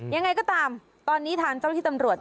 ยังไงก็ตามตอนนี้ทางเจ้าที่ตำรวจ